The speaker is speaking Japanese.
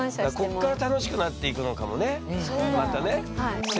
こっから楽しくなっていくのかもねまたね。